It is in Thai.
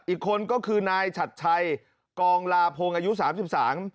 อีกคนก็คือนายฉัดชัยกองลาพงศ์อายุสามสิบสาม